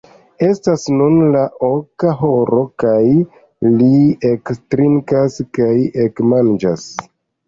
Estas nun la oka horo, kaj li ektrinkas kaj ekmanĝas.